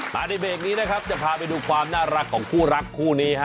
ในเบรกนี้นะครับจะพาไปดูความน่ารักของคู่รักคู่นี้ฮะ